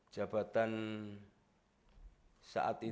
jabatan saat itu